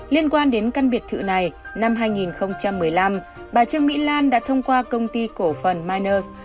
liên quan đến căn biệt thự này năm hai nghìn một mươi năm bà trương mỹ lan đã thông qua công ty cổ phần miners